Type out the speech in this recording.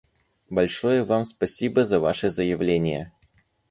Большое Вам спасибо за Ваше заявление.